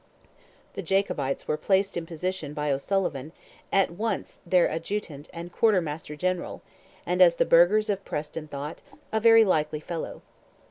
'" The Jacobites were placed in position by O'Sullivan, "at once their adjutant and quarter master general," and, as the burghers of Preston thought, "a very likely fellow."